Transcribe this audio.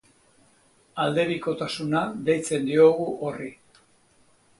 Aldebikotasuna deitzen diogu horri.